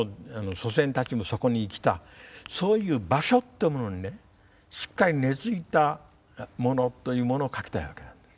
そういう場所っていうものにねしっかり根づいたものというものを書きたいわけなんです。